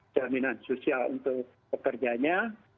jaminan sosial untuk pekerjanya